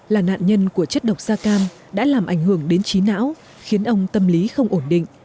là nạn nhân của chất độc da cam đã làm ảnh hưởng đến trí não khiến ông tâm lý không ổn định